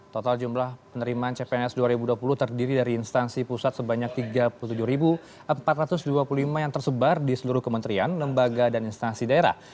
total jumlah penerimaan cpns dua ribu dua puluh terdiri dari instansi pusat sebanyak tiga puluh tujuh empat ratus dua puluh lima yang tersebar di seluruh kementerian lembaga dan instansi daerah